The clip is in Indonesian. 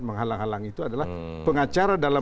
menghalang halangi itu adalah pengacara dalam